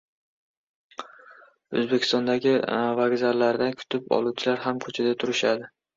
Oʻzbekistondagi vokzallarida kutib oluvchilar ham koʻchada turishadi.